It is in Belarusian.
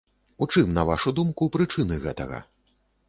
У чым, на вашу думку, прычыны гэтага?